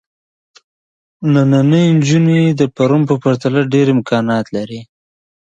نننۍ نجونې د پرون په پرتله ډېر امکانات لري.